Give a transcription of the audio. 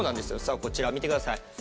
さあこちら見てください。